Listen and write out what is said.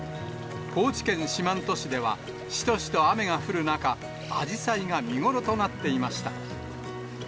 高知県四万十市では、しとしと雨が降る中、あじさいが見頃となっていました。